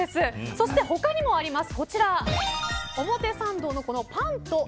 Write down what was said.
そして、他にもあります。